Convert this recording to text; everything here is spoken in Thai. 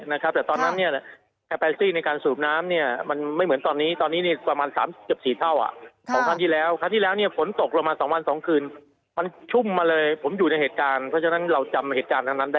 อาจารย์ค่ะแล้วทีนี้จากตรง๓แยก